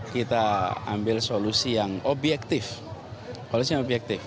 kita ambil solusi yang objektif